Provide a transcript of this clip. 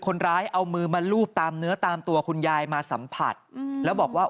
คนร้ายเอามือมาลูบตามเนื้อตามตัวคุณยายมาสัมผัสแล้วบอกว่า